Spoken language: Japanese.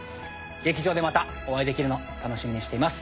劇場でまたお会いできるの楽しみにしています。